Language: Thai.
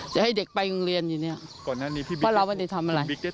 จะให้เด็กไปทึ่งเรียนอย่างนี้ว่าเราวันนี้ทำอะไร